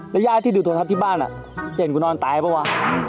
ญาติที่ดูโทรทัศน์ที่บ้านจะเห็นกูนอนตายเปล่าวะ